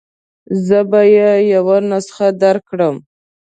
زه به يې یوه نسخه درکړم.